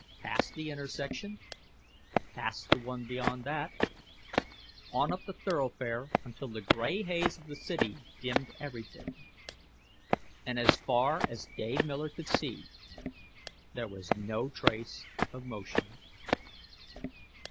Past the intersection, past the one beyond that, on up the thoroughfare until the gray haze of the city dimmed everything. And as far as Dave Miller could see, there was no trace of motion.